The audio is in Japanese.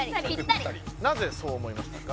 なぜそう思いましたか？